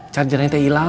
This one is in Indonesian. chargernya udah hilang